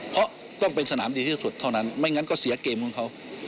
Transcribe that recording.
เพราะต้องเป็นสนามดีที่สุดเท่านั้นไม่งั้นก็เสียเกมของเขา